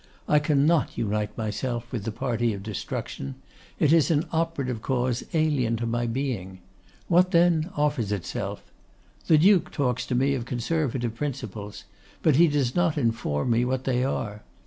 I cannot unite myself with the party of destruction. It is an operative cause alien to my being. What, then, offers itself? The Duke talks to me of Conservative principles; but he does not inform me what they are.